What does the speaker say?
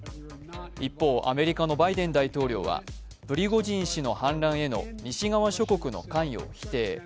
一方、アメリカのバイデン大統領はプリゴジン氏の反乱への西側諸国の関与を否定。